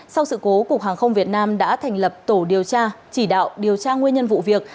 sau sự cố cục hàng không việt nam đã thành lập tổ điều tra chỉ đạo điều tra nguyên nhân vụ việc